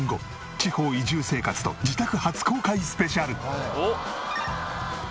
地方移住生活と自宅初公開スペシャル。